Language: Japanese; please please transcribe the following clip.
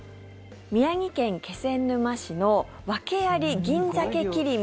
宮城県気仙沼市の訳あり銀鮭切り身